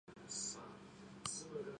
Nhanh lên, máu chảy nhiều quá rồi